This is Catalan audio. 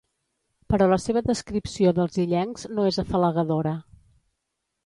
Però la seva descripció dels illencs no és afalagadora.